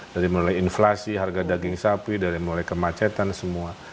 dari mulai inflasi harga daging sapi dari mulai kemacetan semua